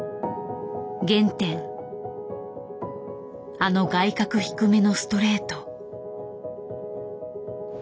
あの外角低めのストレート。